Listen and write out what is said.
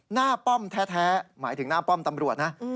ป้อมแท้หมายถึงหน้าป้อมตำรวจนะ